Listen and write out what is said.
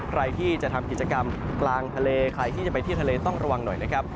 ใครที่จะทำกิจกรรมกลางทะเลใครที่จะไปเที่ยวทะเลต้องระวังหน่อยนะครับ